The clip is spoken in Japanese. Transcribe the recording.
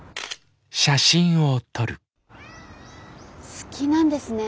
好きなんですね？